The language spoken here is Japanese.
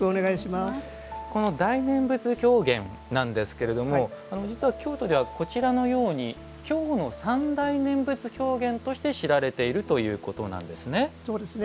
この大念仏狂言なんですけれども実は京都ではこちらのように京の三大念仏狂言として知られているそうですね。